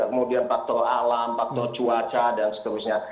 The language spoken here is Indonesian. kemudian faktor alam faktor cuaca dan seterusnya